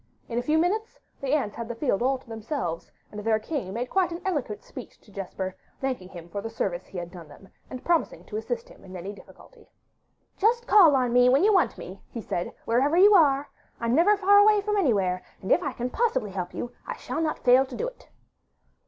In a few minutes the ants had the field all to themselves; and their king made quite an eloquent speech to Jesper, thanking him for the service he had done them, and promising to assist him in any difficulty. 'Just call on me when you want me,' he said, 'where ever you are. I'm never far away from anywhere, and if I can possibly help you, I shall not fail to do it.